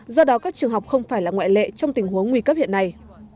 do đó các trường học không phải là ngoại lệ trong tình huống nguy cấp hiện nay